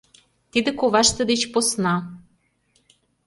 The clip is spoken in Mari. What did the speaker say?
Тиде коваште деч посна.